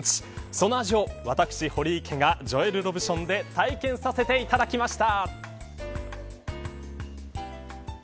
その味を私、堀池がジョエル・ロブションで体験させていただきました。